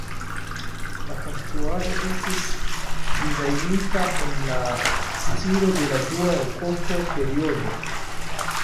La konstruaĵo estis dizajnita en la stilo de la dua rokoko-periodo.